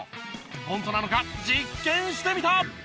ホントなのか実験してみた。